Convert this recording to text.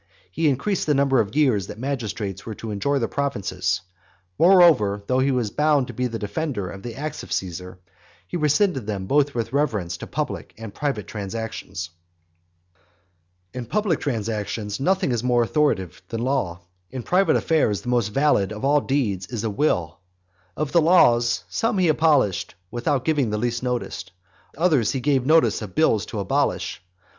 He increased the number of years that magistrates were to enjoy their provinces; moreover, though he was bound to be the defender of the acts of Caesar, he rescinded them both with reference to public and private transactions. In public transactions nothing is more authoritative than law; in private affairs the most valid of all deeds is a will. Of the laws, some he abolished without giving the least notice; others he gave notice of bills to abolish.